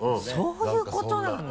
そういうことなんだ！